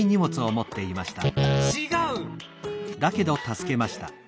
「ちがう！」。